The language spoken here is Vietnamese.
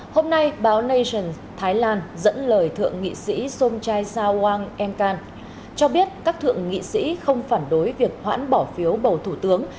hôm nay báo nation thái lan dẫn lời thượng nghị sĩ somchai sawang emkan cho biết các thượng nghị sĩ không phản đối việc hoãn bỏ phiếu bầu thủ tướng